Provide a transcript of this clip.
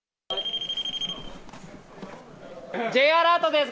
Ｊアラートです。